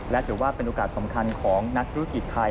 และถือว่าเป็นโอกาสสำคัญของนักธุรกิจไทย